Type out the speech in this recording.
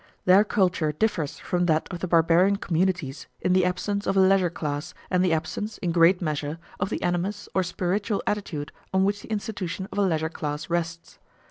Their culture differs from that of the barbarian communities in the absence of a leisure class and the absence, in great measure, of the animus or spiritual attitude on which the institution of a leisure class rests.